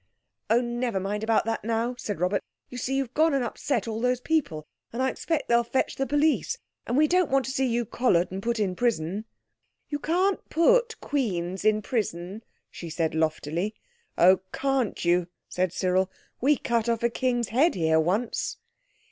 "Oh, never mind about that now," said Robert. "You see you've gone and upset all those people, and I expect they'll fetch the police. And we don't want to see you collared and put in prison." "You can't put queens in prison," she said loftily. "Oh, can't you?" said Cyril. "We cut off a king's head here once."